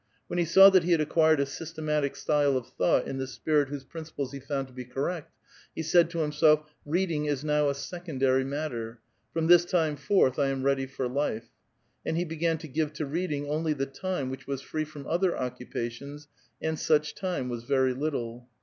When he saw that he bad acquired a systematic style of thought in the spirit whose principles he found to be correct, he said to himself :" Read ing is now a secondary matter : from this time forth I am ready for life ;" and he began to give to reading only the time which was free from other occupations, and such time was very little.